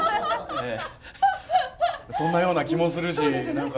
そんなような気もするし何か。